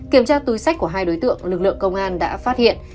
kiểm tra túi sách của hai đối tượng lực lượng công an đã phát hiện